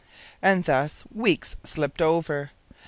And thus weeks slipped over.